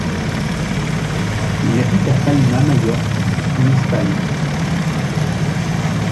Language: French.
Il habite à Palma, Majorque, en Espagne.